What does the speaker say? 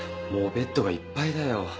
もうベッドがいっぱいだよ。